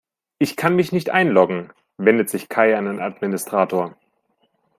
"Ich kann mich nicht einloggen", wendet sich Kai an den Administrator.